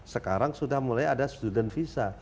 sekarang sudah mulai ada student visa